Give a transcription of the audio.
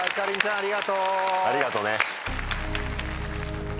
ありがとうね。